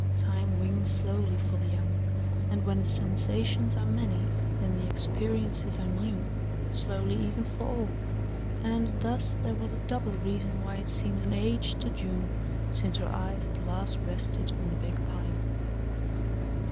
Time wings slowly for the young, and when the sensations are many and the experiences are new, slowly even for all and thus there was a double reason why it seemed an age to June since her eyes had last rested on the big Pine.